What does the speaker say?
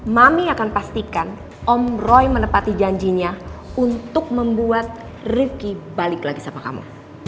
mami akan pastikan om roy menepati janjinya untuk membuat rifki balik lagi sama kamu